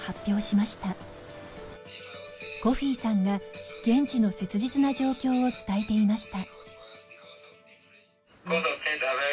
コフィさんが現地の切実な状況を伝えていました。